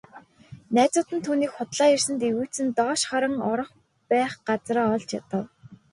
Найзууд нь түүнийг худлаа ярьсанд эвгүйцэн доош харан орох байх газраа олж ядав.